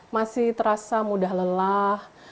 masih terasa mudah lelah